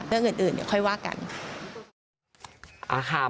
เรื่องอื่นค่อยว่ากัน